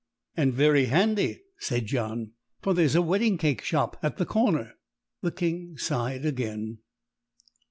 "And very handy," said John, "for there's a wedding cake shop at the corner." The King sighed again.